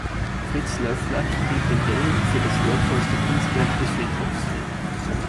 Fritz Löffler hielt den Helm „für das wertvollste Kunstwerk des Friedhofs“.